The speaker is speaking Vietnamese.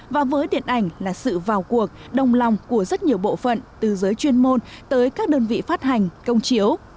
và với điện ảnh là sự vào cuộc đồng lòng của rất nhiều bộ phận từ giới chuyên môn tới các đơn vị phát hành công chiếu